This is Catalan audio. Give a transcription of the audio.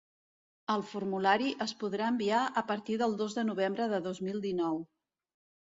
El formulari es podrà enviar a partir del dos de novembre de dos mil dinou.